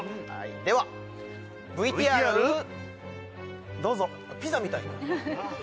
ではＶＴＲＶＴＲどうぞピザみたい！